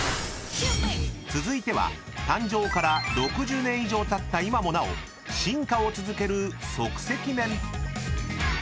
［続いては誕生から６０年以上たった今もなお進化を続ける即席麺］